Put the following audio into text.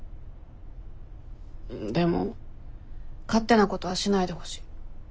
でも勝手なことはしないでほしい。